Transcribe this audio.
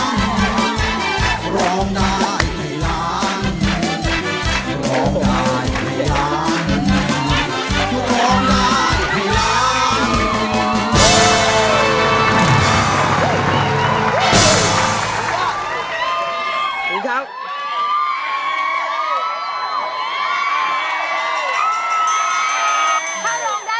เข้ารมได้แบบนี้ครับคุณผู้ชมพา